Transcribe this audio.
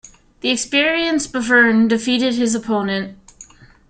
The experienced Bevern defeated his opponent.